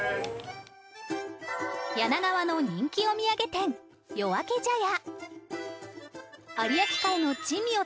柳川の人気お土産店夜明茶屋